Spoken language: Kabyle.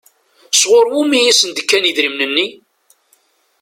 Sɣur wumi i sen-d-kan idrimen-nni?